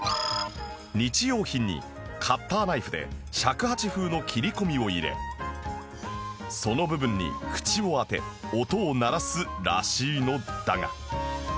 日用品にカッターナイフで尺八風の切り込みを入れその部分に口を当て音を鳴らすらしいのだが